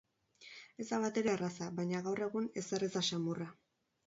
Ez da batere erraza, baina gaur egun ezer ez da samurra.